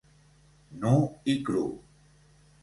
Nu i cru.